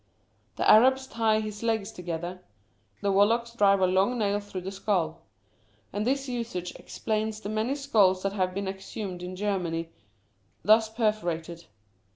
The Arabs tie his legs together. The Wallacks drive a long nail through the skull ; and this usage explains the many skulls that have been exhumed in Germany thus perforated.